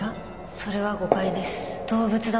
それは誤解です。